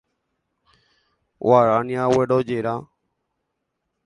Guarania guerojera.